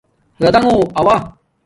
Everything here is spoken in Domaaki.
رادونݣ آݸ